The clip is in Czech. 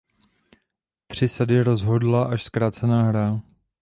Tři sady rozhodla až zkrácená hra.